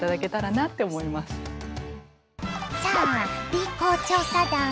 さあＢ公調査団。